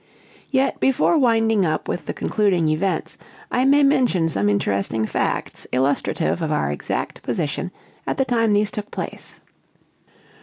Yet before winding up with the concluding events, I may mention some interesting facts illustrative of our exact position at the time these took place.